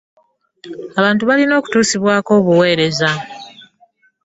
Abantu balina okutuusibwako obuweereza.